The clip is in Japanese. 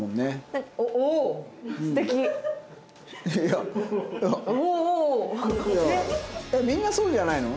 えっみんなそうじゃないの？